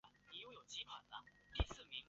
由东映动画的同名电视动画为原作。